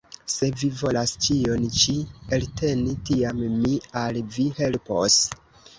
Se vi volas ĉion ĉi elteni, tiam mi al vi helpos!